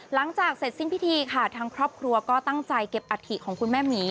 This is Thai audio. หลังจากเสร็จสิ้นพิธีค่ะทางครอบครัวก็ตั้งใจเก็บอัฐิของคุณแม่หมี